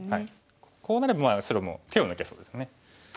こうなれば白も手を抜けそうですね。